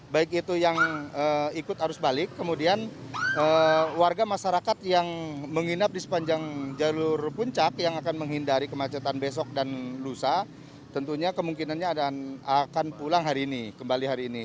baik itu yang ikut arus balik kemudian warga masyarakat yang menginap di sepanjang jalur puncak yang akan menghindari kemacetan besok dan lusa tentunya kemungkinannya akan pulang hari ini kembali hari ini